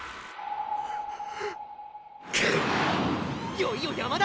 いよいよ山だ。